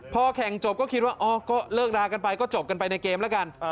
พอแข่งจบก็คิดว่าอ๋อก็เลิกรากันไปก็จบกันไปในเกมแล้วกัน